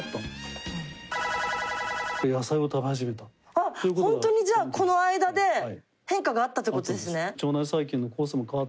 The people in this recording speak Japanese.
ホントにじゃあこの間で変化があったって事ですね。